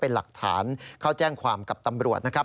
เป็นหลักฐานเข้าแจ้งความกับตำรวจนะครับ